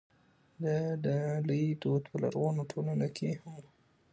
د ډالۍ دود په لرغونو ټولنو کې هم و.